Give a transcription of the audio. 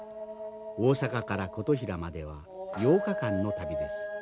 大阪から琴平までは８日間の旅です。